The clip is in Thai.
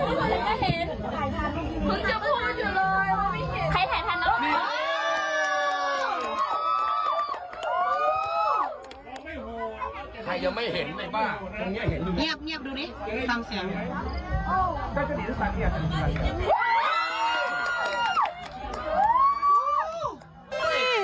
เงียบดูนี่